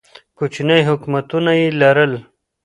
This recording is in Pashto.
کوچني حکومتونه یې لرل